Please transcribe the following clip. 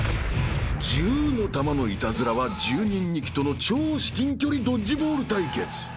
［１０の球のイタズラは１０人ニキとの超至近距離ドッジボール対決］